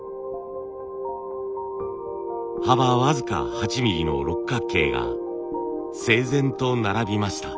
幅僅か８ミリの六角形が整然と並びました。